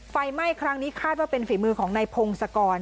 ไฟไหม้ครั้งนี้คาดว่าเป็นฝีมือของนายพงศกร